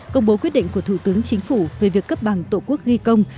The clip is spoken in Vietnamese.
công bố quyết định của thủ tướng chính phủ về việc cấp bằng tổ quốc ghi công